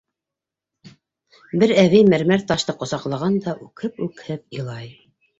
Бер әбей мәрмәр ташты ҡосаҡлаған да үкһеп-үкһеп илай: